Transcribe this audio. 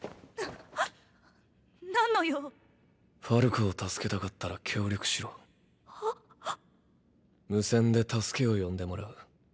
な⁉何の用⁉ファルコを助けたかったら協力しろ。は⁉無線で助けを呼んでもらう。